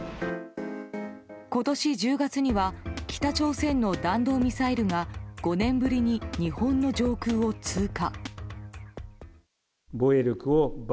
今年１０月には北朝鮮の弾道ミサイルが５年ぶりに日本の上空を通過。